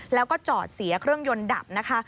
แล้วก็จอดเสียเครื่องยนต์ดับนะคะ